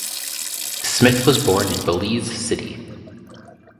Smith was born in Belize City.